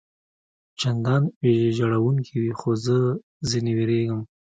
چندان ویجاړوونکي وي، خو زه ځنې وېرېږم.